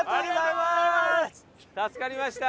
助かりました。